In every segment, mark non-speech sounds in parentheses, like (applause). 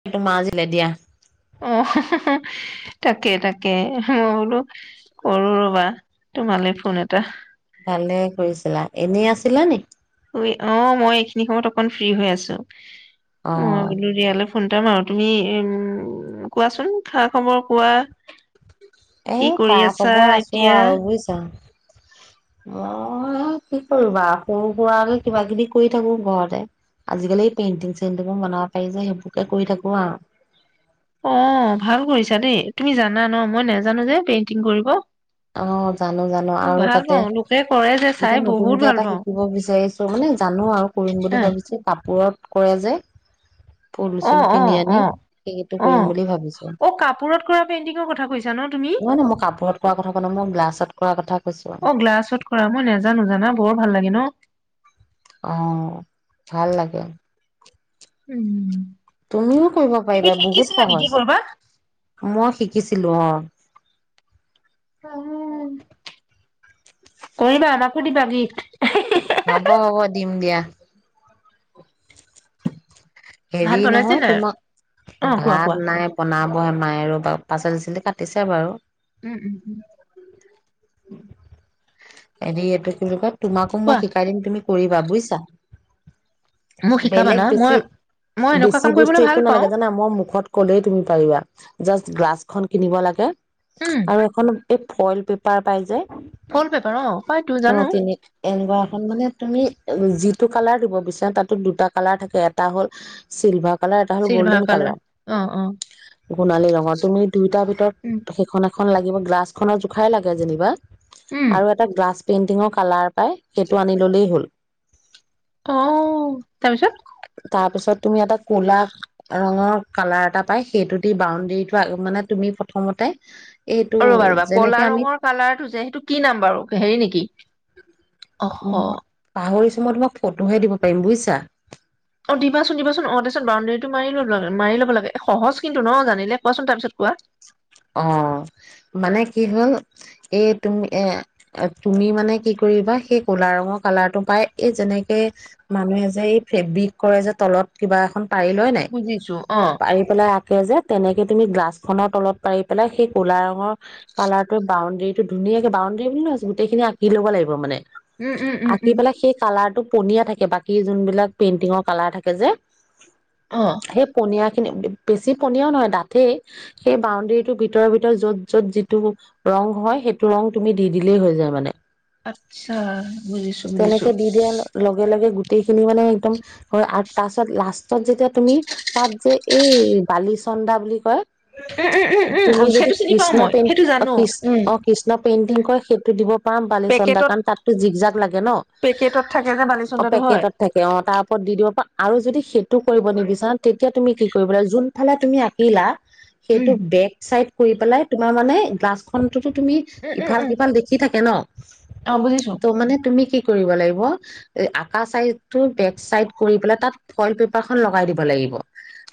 সেইটো মাজিলে দিয়া। তাকে-তাকে, মই বোলো, কৰো ৰবা, তোমালৈ ফোন এটা। ভালে কৰিছিলা, এনেই আছিলা নেকি? অ', মই এইখিনি সময়ত অকণ ফ্ৰী হৈ আছোঁ। অ', (unintelligible) ফোন এটা মাৰো, তুমি উম্, কোৱাচোন খা-খবৰ কোৱা? এ কি কৰি কা আছা খবৰ আছো এতিয়া আৰু বুইছা। অ', কি কৰিবা সৰু সৰুৰোকে কিবা-কিবি কৰি থাকোঁ ঘৰতে, আজিকালি পেইণ্টিং চেইণ্টিঙো বনাব পাৰি যে সেইবোৰকে কৰি থাকোঁ আৰু। অ' ভাল কৰিছা দেই, তুমি জানা ন, মই নাজানো যে পেইণ্টিং কৰিব। অ', জানো-জানো মই আৰু ভাল তাতে পাওঁ লোকে কৰে যে চাই এতিয়া বহুত নতুনকে ভাল এটা পাওঁ শিকিব বিচাৰিছোঁ মানে জানো আৰু কৰিম বুলি হা ভাবিছোঁ কাপোৰত কৰে যে। ফুল-চুল অ', কিনি অ', আনি অ', সেইটো কৰিম অ', বুলি ভাবিছোঁ। অ', কাপোৰত কৰা পেইন্টিঙৰ কথা কৈছা ন তুমি নহয়-নহয় মোক কাপোৰত কোৱা কথা নাই মই গ্লাছত কৰা কৈছো অ', গ্লাছত কৰা। মই নেজানো জানা বৰ ভাল লাগে ন? (inaudible) অ', ভাল লাগে। উম্ তুমিও কৰিব পাৰিবা বহুত সহজ, কৰবাত? মই শি শিকিছিলোঁ অ'। কৰিবা আমাকো দিবা যি হ'ব হ'ব দিম দিয়া। ভাত হেৰি বনাইছে নহয় নাই? তোমাক অ', কোৱা কোৱা। ভাত নাই বনাব মাই আৰু পাচলি চচলি কাট দিছে বাৰু। উম, উম, উম। এনে এইটো কেনেকুৱা? তোমাকো কোৱা মই শিকাই দিম তুমি কৰিবা বুজিছা। মোক শিকাব বেলেগ ন বেছি মই মই এনেকুৱা বেছি কাম বস্তু কৰিবলৈ ভাল একো পাওঁ, নালাগে জানা মই মুখত কলেই তুমি পাৰিবা। জাষ্ট গ্লাছখন কিনিব লাগে। উম, আৰু এখন এই ফইল পেপাৰ পাই যায়। ফল পেপাৰ অ পাই তো জানো। এনেকুৱা এখন মানে তুমি যিটো কালাৰ দিব বিচাৰা তাতো দুটা কালাৰ থাকে এটা হ'ল চিলভাক কালাৰ এটা হ'ল চিলভাৰ গল্ডেন কালাৰ অ', অ', সোণালী ৰঙৰ তুমি দুইটাৰ উম, ভিতৰত সেইখন খন লাগিব গ্লাচ খনৰ জোখাই লাগে যেনিবা উম, আৰু এটা গ্লাছ পেইণ্টিঙৰ কালাৰ পাই সেইটো আনি ল'লেই হ'ল অ তাৰপিছত তাৰ পিছত তুমি এটা কলা ৰঙৰ কালাৰ এটা পাই সেইটো দি বাউণ্ডৰীটো মানে তুমি প্ৰথমতে এইটো ৰবা-ৰ'বা কলা যেনেকে আমি ৰঙৰ কালাৰটো যে সেইটো কি নাম বাৰু হেৰি নেকি? অহ, উ (unintelligible) পাহৰি মই তোমাক ফটোহে দিব পাৰিম বুজিছা। অ দিবাচোন-দিবাচোন অ তাৰিছত বাউণ্ডেৰীটো মাৰি ল মাৰি লব লাগে সহজ কিন্তু ন জানিলে কোৱাচোন তাৰপিছত কোৱা। অ মানে কি হ'ল এই তুমি এ তুমি মানে কি কৰিবা সেই কলা ৰঙৰ কালাৰটো পাই এই যেনেকে মানুহে যে এই ফেব্ৰিক কৰে যে তলত কিবা এখন পাৰিলয় নাই। বুজিছো অ', পাৰি পেলাই আঁকে যে তেনেক তুমি গলাখনৰ তলত পাৰি পেলাই সেই ক'লা ৰঙৰ কালাৰটোৰ বাউণ্ডৰীটো ধুনীয়াকে বাউণ্ডেৰী বুলি নহয় গোটেইখিনি আকি লব লাগিব মানে উম, উম, উম, উম। আঁকি পেলাই সেই কালাৰটো পনীয়া থাকে বাকী যোনবিলাক পেইন্টিঙৰ কালাৰ থাকে যে অ সেই পনীয়া খিনি বেছি পনীয়াও নহয় দাথেই সেই বাউণ্ডেৰীটোৰ ভিতৰ ভিতৰত য'ত য'ত যিটো ৰং হয় সেইটো ৰং তুমি দি দিলেই হৈ যায় মানে। আচ্ছা বুজিছো-বুজিছো। তেনেকে দি দিয়াৰ লগে লগে গোটেইখিনি মানে একদম হয় তাৰপিছত লাষ্ট ত যেতিয়া তুমি তাত যে এই বালিচ চন্দা বুলি কয়। তুমি উম-উম-উম-উম-উ যদি সেইটো চিনি পাও কৃষ্ণ মই পেইন সেইটো জানো কৃষ্ণ উম অ কৃষ্ণ (unintelligible) সেইটো দিব পাম পালি চন্দা পেকেটত কাৰণ তাতো জিজাক ন' পেকেটত থাকে যে অ', বালিচন্দাটো হয় পেকেটত থাকে অ', তাৰ ওপৰত দি দিব পা আৰু যদি সেইটো কৰিব নিবিচা তেতিয়া তুমি কি কৰিব লাগা যোন ফালে তুমি আঁকিলা সেইটো উম বেক চাইড কৰি পেলাই তোমাৰ মানে গ্লাছখন তো তুমি উম উম ইফাল উম সিফাল দেখি থাকে ন' অ বুজিছো ত' মানে তুমি কি কৰিব লাগিব আকাঁ চাইটো বেক চাইড কৰি পেলাই তাত ফইল পেপাৰ খন লগাই দিব লাগিব। অ'।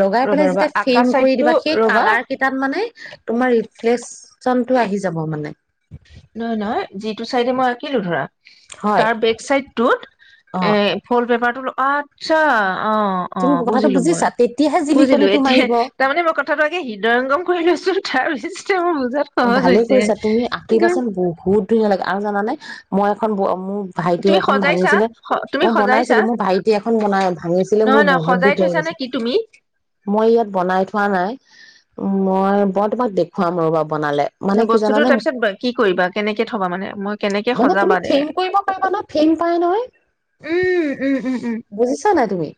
লগাই ৰবা পেলাই ৰবা যেতিয়া আকা ফেম কৰি চাইডটো দিবা সেই ৰবা কালাৰ কেইটাত মানে তোমাৰ ৰিলেচন টো আহি যাব মানে। নহয়, নহয় যিটো চাইডে মই আঁকিলো ধৰা হয় তাৰ বেক চাইডত অ এফ'ৰ পেপা আচ্ছা। অ', তুমি অ', কথাটো বুজিলো মই বুজিছা তেতিয়াহে বুজিলো জিলিকনিটো এতিয়া মাৰিব তাৰমানে মই কথাটো আগে হৃদয়ংগম কৰি লৈছো। (unintelligible) ভালে হৈছে কৰিছা তুমি আ এই কিন্তু বাচন বহুত বহুত ধুনীয়া লাগে আৰু জানা নাই মই এখন মোৰ ভাইটি তুমি এখন সজাইছা ভাঙিছিলে স- তুমি মই সজাইছা বনাইছিলো মোৰ ভাইটি এখন বনাই ভাঙিছিলে মোৰ নহয় নহয় বহুত সজাই দুখ লাগি থৈছা নে গৈছিল, কি তুমি মই ইয়াত বনাই থোৱা নাই। মই বৰ্তমান দেখুৱাম আৰু বাবু বস্তুতটো তাৰপিছত কি কৰিবা কেনেকে থ'বা মানে মই কেনেকে মানে তুমি সজাবা দে ফেম উম, কৰিব পাৰিবা ন ফেম পাই নহয় উম, উম, উম। বুজিছা নাই তুমি।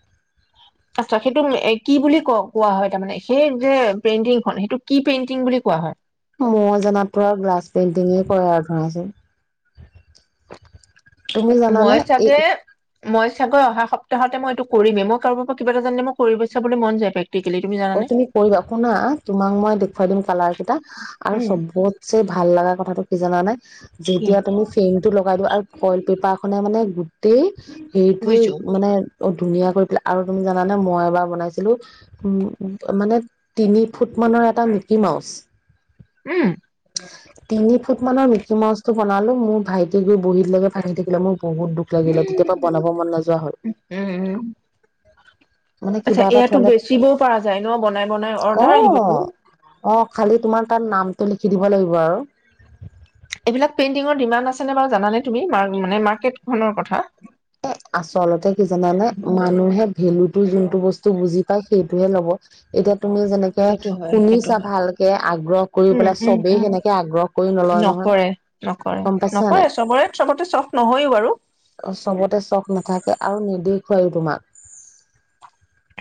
আট্ছা সেইটোক কি বুলি ক কোৱা হয় তাৰমানানে সেই যে পেইন্টিং খন সেইটোতো কৰা কি পেইন্টিং বুলি কোৱা হয়? মই জনাত তো গ্লাছ পেইণ্টিঙে কৰে আৰু ধৰাইছিল মই এই চাগে ময় চাগৰ অহা সপ্ত তহাতে মই এইটো কৰিমেই মই কাৰোবাৰ পৰা কিবা এটা জানে মই কৰিব বুলি মন যায় পাই। অ', তুমি কৰিবা শুনা তোমাক মই দেখুৱাই দিম কালাৰ কেইটা আৰু উম চবতছে ভাল লগা কথাটো স জানা নাই কি যেতিয়া তুমি ফিং টো লগাই দিওঁ আৰু বইল পেপাৰখনে মানে গোটেই সেইটোৱে বুজিছো মানে অ', ধুনীয়া কৰি পেলাই আৰু তুমি জানে মই এবাৰ বনাইছিলো উম। মানে তিনি ফুট মানৰ এটা নিকি মাউচ। উম। তিনি ফুট মানৰ মিকি মাউছটো বনালো মোৰ ভাইটে গৈ বহীত লকে ভাকি থাকিলে মোৰ বহুত দুখ লাগিলে, তেতিয়াপা উম বনাব মন নেযোৱা হ'ল, উম উম। মানে আচ্ছা কিবা এটা এয়াতো থ'লে বেচিবও পৰা যায় বনাই, বনাই অ অৰ্ডাৰ আহিবটো। অ', খালি তোমাৰ তাত নামটো লিখি দিব লাগিব আৰু। এইবিলাক পেইণ্টিঙৰ ডিমাণ্ড আছে নে বাৰু জানানে বাৰু তুমি, মানে মাৰ্কেটখনৰ কথা? ভেলুতো জোনটো বস্তু বুজি পায় সেইটোহে ল'ব, এতিয়া তুমি যেনেকে, সেইটো হয় সেইটো শুনিছা হয়। ভালকে আগ্ৰহ কৰি উম পেলা উম চবেই উম সেনেকে আগ্ৰহ কৰি নলয় নহয়। নকৰে নকৰে, গম পাইছা নাই? নকৰে চবৰে চবতে চখ নহয়ো বাৰু। চবতে চখ নাথাকে আৰু নেদেখুৱাইও তোমাক।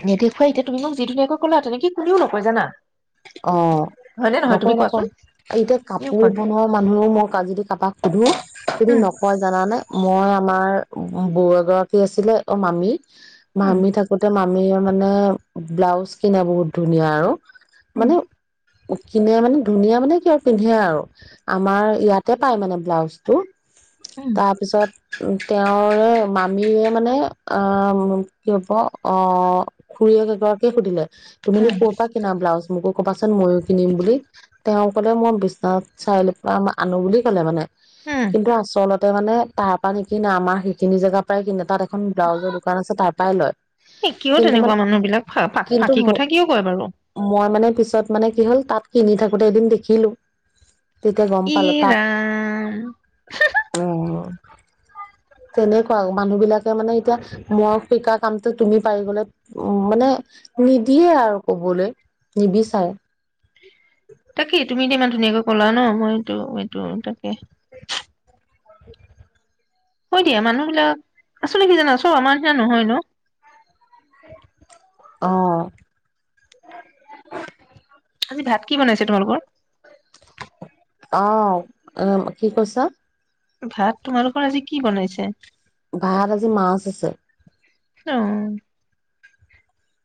নেদেখুৱাই, এতিয়া তুমি মোক যি ধুনীয়াকৈ ক'লা, তেনেকে কোনেও নকয় জানা। অ', হয় নে নহয় তুমি নকয় কোৱাচোন? নকয়, এতিয়া কোনেও কাপোৰ কয় বনোৱা মানুহেও মই আজি যদি কাৰোবাক সোধো, তুমি উম নকয় জানানে, মই আমাৰ বৌ এগৰাকী আছিলে, অ' মামী উম মামী থাকোঁতে মাম মীয়ে মানে, ব্লাউজ কিনে বহুত ধুনীয়া আৰু। উম মানে কিনে মানে, ধুনীয়া মানে কি আৰু পিন্ধে আৰু, আমাৰ ইয়াতে পাই মানে ব্লাউজটো। উম তাৰপিছত তেওঁৰে মামীৰে মানে অ', কি হ'ব, অ', খুৰীয়েক এগৰাকীয়ে সুধিলে। তুমিনো উম ক'ৰ পৰা কিনা ব্লাউজ মোকো ক'বা চোন, ময়ো কিনিম বুলি। তেওঁ ক'লে, মই বিশ্বনাথ চাৰিআলিৰ পৰা আনো বুলি ক'লে মানে। উম কিন্তু আচলত তে মানে তাৰ পৰা নিকিনে, আমাৰ সেইখিনি জেগাৰ পৰাই কিনে তাত এখন ব্লাউজৰ দোকান আছে তাৰ পাই লয়। এ কিয় কিন্তু মানে তেনেকুৱা মানুহ বিলাক, ফাক-ফাক কিন্তু ফাঁকি কথা কিয় কয় বাৰু? মই মানে পিছত মানে কি হ'ল, তাত কিনি থাকোঁতে এদিন দেখিলোঁ। তেতিয়া গম ই পালো তাত, ৰাম অ'। তেনেকুৱাও, মানুহ বিলাকে মানে এতিয়া, মই শিকা কামটো তুমি পাৰি গ'লে, উম, মানে নিদিয়ে আৰু ক'বলে। নিবিচাৰে। তাকেই, তুমি এতিয়া ইমান ধুনীয়াকৈ ক'লা ন, মই এইটো-এইটো তাকে। হয় দিয়া, মানুহ বিলাক, আছলতে কি জানা, চব আমাৰ নিচিনা নহয় ন। অ'। আজি ভাত কি বনাইছে তোমালোকৰ? অ', উম, কি কৈছা? ভাত তোমালোকৰ আজি কি বনাইছে? ভাত আজি মাছ আছে। অ।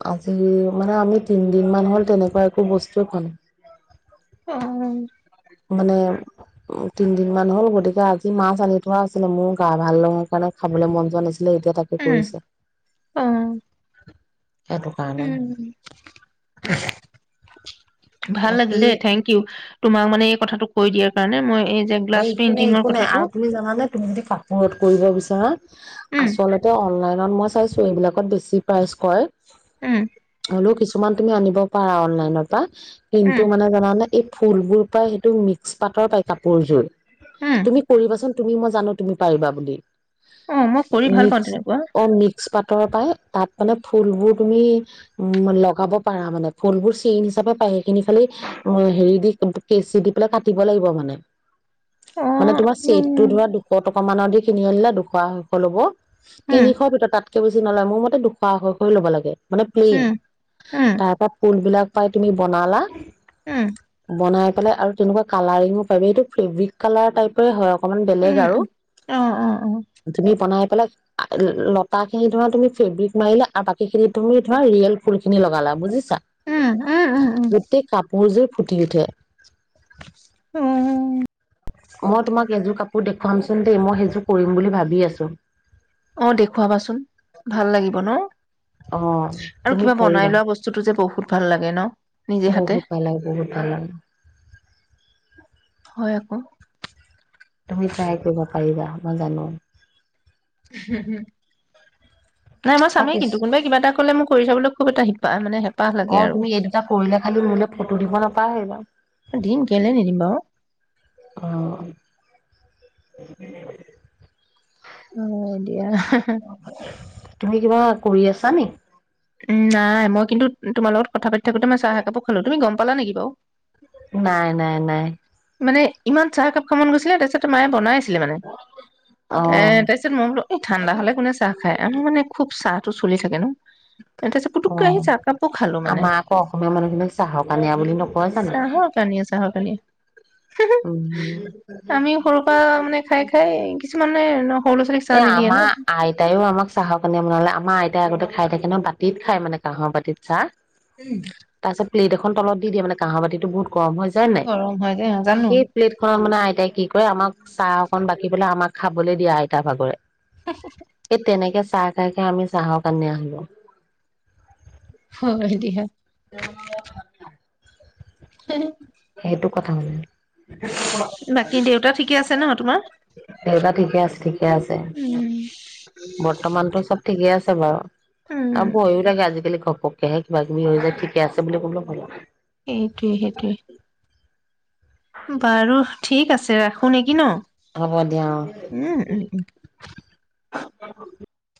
আজি মানে আমি তিনদিন মান হ'ল তেনেকুৱা একো বস্তুৱে খন অ'। মানে উম, তিনদিন মান হ'ল গতিকে আজি মাছ আনি থোৱা আছিলে, মোৰ গা ভাল লগৰ কাৰণে খাবলৈ মন যোৱা নাছিল। এতিয়া তাকে উম, কৰিছে। অ', সেইটো কাৰণে উম, ভাল লাগিল বাকী দেই থেংক ইউ। তোমাক মানে এই কথাটো কৈ দিয়াৰ কাৰণে মই এই যে গ্লাছ একো নাই পেইন্টিঙৰ একো নাই কথাটো আৰু তুমি জানা নে, তুমি যদি কাপোৰত কৰিব বিচ অ'। উম, আচলতে অনলাইনত মই চাই ত এইবিলাকত বেছি প্ৰাইচ কয়। উম। হলেও কিছুমান তুমি আনিব পাৰা অনলাইনৰ পা। উম, কিন্তু মানে জানানে ফুলবোৰ প্ৰাই সেইটো মিক্স পাতৰ পাই কাপ পুজোৰ উম, তুমি কৰিবাচোন তুমি মই জানো। তুমি পাৰিবা বুলি। উম, মই কৰি ভাল পাওঁ মিক্স তেনেকুৱা। অ (unintelligible) পাই তাত মানে ফুলবোৰ তুমি উম লগাব পাৰা মানে ফুলবোৰ চেইন হিচাপে পাই সেইখিনি খালি হেৰি দি কেঁচি দি পেলাই কাটিব লাগিব মানে। মানে অ', তোমাৰ উম, চেতটো ধৰা দু শ টকা মানৰ অধি কিনি আনিলে দুশ আঢ়ৈশ ল'ব উম, তিনিশ ভিতৰত তাতকে বুছি নলয় মোৰ মতে দুশ আঢ়ৈশই ল'ব লাগে মানে পেন। উম, উম, তাৰ পাব ফুলবিলাক পাই তুমি বনালা উম, বনাই পেলাই আৰু তেনেকুৱা কালাৰিঙো (unintelligible) এইটো ফেব্ৰিক কালাৰ টাইফয়ে হয় অকমান বেলেগ উম, আৰু উম। অ', অ', অ'। তুমি বনাই পেলাই লতা খিনি ধৰা তুমি ফেব্ৰিক মাৰিলা আৰু বাকী খিনি তুমি ধৰা ৰিয়েল ফুল খিনি লগালা বুজিছা, উম, উম, উম, উম, গোটেই কাপোৰ জুই ফুটি উঠে। উম, মই তোমাক এযোৰ কাপোৰ দেখুৱামচোন দেই, মই সেইযোৰ কৰিম বুলি ভাবি আছোঁ। অ', দেখুৱাবাচোন ভাল লাগিব ন' অ আৰু তুমি কিবা বনাই কৰিবা লোৱা বস্তুটো যে বহুত ভাল লাগে ন' নিজে হাতে, বহুত ভাল লাগে বহুত ভাল লাগে হয়। অ'। তুমি ট্ৰাই কৰিব পাৰিবা মই জানো। হম, হম। নাই মই তাৰ চামেই কিন্তু পিছ কোনোৱাই কিবা এটা ক'লে মোক কৰি চাবলৈ খুব এটা হিপা মানে হেপ অ', তুমি এই দুটা কৰিলে খালি মোলৈ ফটো দিব নাপাহৰিবা অ'। দিম কেলে নিদিম বাৰু উম। অ দিয়া। তুমি কিবা কৰি আছা নে উম, নাই মই কিন্তু তোমাৰ লগত কথা পাতি থাকোতে মই চাহ একাপো খাঁলো। তুমি গম পালা নেকি বাৰু? নাই নাই নাই মানে ইমান চাহকাপ খাব মন গৈছিলে তাৰপিছত তো মাইয়ে বনাইছে মানে অ এ তাৰপিছত মই বোলো এই ঠাণ্ডা হ'লে কোনে চাহ খাই আমা মানে খুব চাহ টো চলি থাকে ন' তাৰপিছত পুতুককে আহি অ', চাহ একাপো খালো মানে আমাৰ আকৌ অসমীয়া মানুহখিনিক চাহৰ কানীয়া বুলি নকয় জানো। চাহৰ কানিয়ে চাহৰ কানিয়ে উম আমি সৰু পৰা মানে খাই, খাই কিছুমানে সৰু ল'ৰা ছোৱালীক চাহ এ নিদিয়ে ন আমাৰ আইতাইও আমাক চাহৰ কানীয়া বনালে আমাৰ আইতাই আগতে খাই থাকে ন' বাতিত খাই মানে কাঁহৰ বাতিত চাহ। উম। তাৰ পিছত প্লেট এখন তলত দি দিয়ে মানে কাঁহৰ বাতিটো বহুত গৰমহৈ যায় নে নাই, গৰম হয় যে জানো সেই প্লেটখনত মানে আই তাই কি কৰে, আমাক চাহ অকন বাকি পেলাই আমাক খাবলৈ দিয়া আইতাৰ ভাগৰে। এ তেনেকে চাহ খাই, খাই আমি চাহৰ কাণীয়া হ'লো। হয়, দিয়া। (inaudible) সেইটো কথা হ'ল নে? বাকী দেউতা ঠিকে আছে ন তোমাৰ? দেউতা ঠিকে আছে, ঠিকে আছে। উম। বৰ্তমানতো চব ঠিকেই আছে। (inaudible) উম, তাত ভয়ো লাগে আজিকালি। ঘপকেহে কিবা কিবি হৈ যায়। ঠিকে আছে বুলি ক'বলৈ ভয় লগা সেইটোৱেই, সেইটোৱেই। বাৰু! ঠিক আছ আছে, ৰাখো নেকি ন! হ'ব দিয়া অ উ, উম, উম। (inaudible)